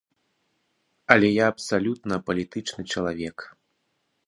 Але я абсалютна апалітычны чалавек.